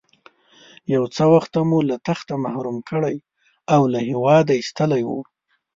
یو څه وخت مو له تخته محروم کړی او له هېواده ایستلی وو.